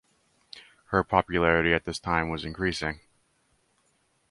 Her popularity at this time was increasing.